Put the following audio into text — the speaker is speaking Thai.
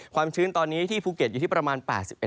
ชื้นตอนนี้ที่ภูเก็ตอยู่ที่ประมาณ๘๑